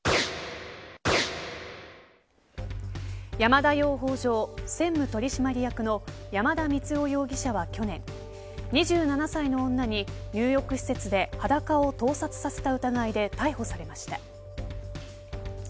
山田養蜂場、専務取締役の山田満生容疑者は去年２７歳の女に入浴施設で裸を盗撮させた疑いで逮捕されました。